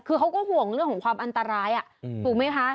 คือเขาก็ห่วงเรื่องของความอันตรายถูกไหมคะ